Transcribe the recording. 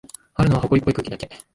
あるのは、ほこりっぽい空気だけ。